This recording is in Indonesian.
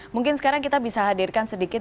mungkin sekarang kita bisa hadirkan sedikit